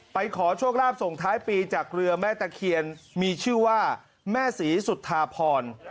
ขอโชคลาภส่งท้ายปีจากเรือแม่ตะเคียนมีชื่อว่าแม่ศรีสุธาพร